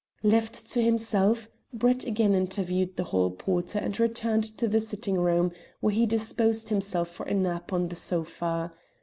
Left to himself, Brett again interviewed the hall porter and returned to the sitting room, where he disposed himself for a nap on the sofa.